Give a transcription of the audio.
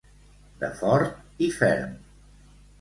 De fort i ferm.